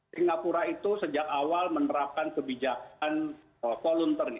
singapura itu sejak awal menerapkan kebijakan volunteer